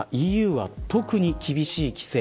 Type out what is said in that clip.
ＥＵは、特に厳しい規制。